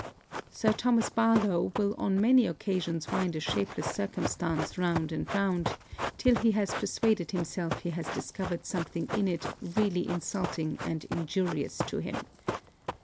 Sir Thomas Barlowe will on many occasions wind a shapeless circumstance round and round, till he has persuaded himself he has discovered something in it really insulting and injurious to him.